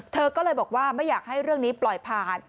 เธอก็เลยบอกว่าไม่อยากให้เรื่องนี้ปล่อยผ่าน